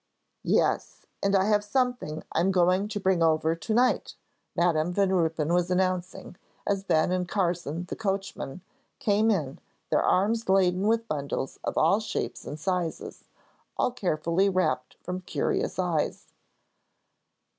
"Yes, and I have something I'm going to bring over to night," Madam Van Ruypen was announcing, as Ben and Carson, the coachman, came in, their arms laden with bundles of all shapes and sizes, all carefully wrapped from curious eyes.